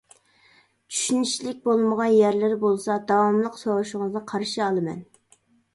چۈشىنىشلىك بولمىغان يەرلىرى بولسا داۋاملىق سورىشىڭىزنى قارشى ئالىمەن.